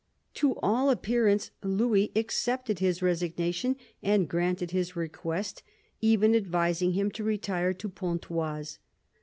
To all appearance Louis accepted his resignation and granted his request, even advising him to retire to Pontoise.